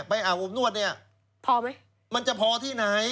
อาบอบนวดเนี่ยพอไหมมันจะพอที่ไหน